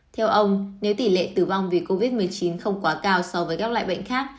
theo ông nếu tỷ lệ tử vong vì covid một mươi chín không quá cao so với các loại bệnh khác